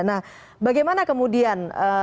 nah bagaimana kemudian